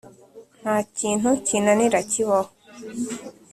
nta kintu kinanira kibaho.”